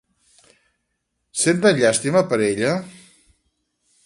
Senten llàstima per ella?